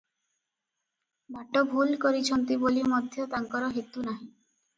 ବାଟ ଭୁଲ କରିଚନ୍ତି ବୋଲି ମଧ୍ୟ ତାଙ୍କର ହେତୁ ନାହିଁ ।